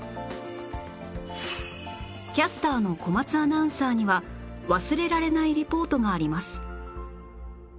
キャスターの小松アナウンサーには忘れられないリポートがあります